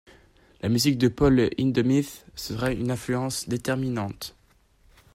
La musique de Paul Hindemith sera une influence déterminante.